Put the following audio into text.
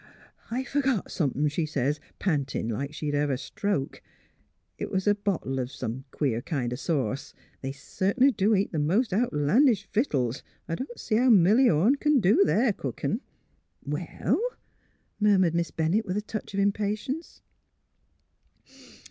' I f ergot somethin',' she says, pantin' like she'd hev a stroke. It was a bottle of some queer kind of sauce. They certainly do eat the most outlandish vittles. I don't see how Milly Orne c'n do their cookin'." MALVINA POINTS A MORAL 177 *' Well? "murmured Miss Bennett, with a touch of impatience.